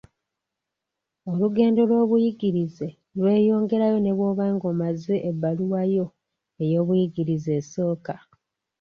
Olugendo lw'obuyigirize lweyongerayo ne bwoba nga omaze ebbaluwayo ey'obuyigirize esooka.